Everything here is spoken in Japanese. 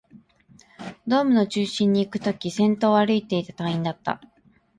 ドームの中心にいくとき、先頭を歩いていた隊員だった